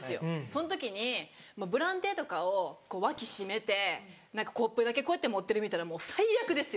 その時にブランデーとかをこう脇締めて何かコップだけこうやって持ってるの見たらもう最悪ですよ。